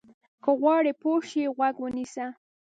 که غواړې پوه شې، غوږ ونیسه.